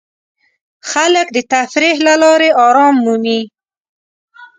خلک د تفریح له لارې آرام مومي.